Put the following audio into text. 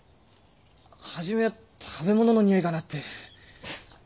初めは食べ物の匂いかなって。